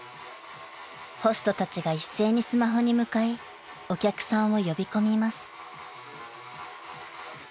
［ホストたちが一斉にスマホに向かいお客さんを呼び込みます］